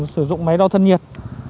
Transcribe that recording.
sử dụng máy đo thân nhiệt